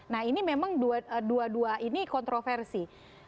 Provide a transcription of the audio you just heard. nah ini memang dua dua ini kontroversi